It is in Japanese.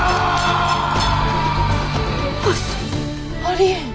ありえん！